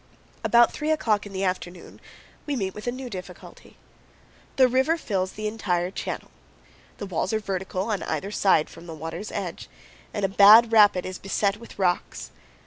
About three o'clock in the afternoon we meet with a new difficulty. The river fills the entire channel; the walls are vertical on either side from the water's edge, and a bad rapid is beset with rocks.